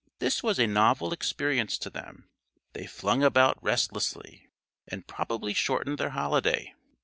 This was a novel experience to them; they flung about restlessly, and probably shortened their holiday.